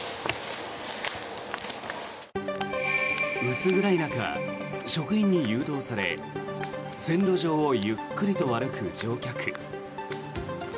薄暗い中、職員に誘導され線路上をゆっくりと歩く乗客。